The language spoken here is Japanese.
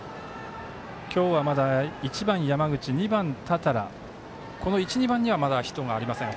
今日はまだ１番、山口２番の多田羅、この１、２番にはまだヒットがありません。